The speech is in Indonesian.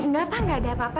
gak pak gak ada apa apa